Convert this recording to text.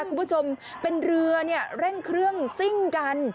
คุณผู้ชมเป็นเรือเร่งเครื่องซิ่งกัน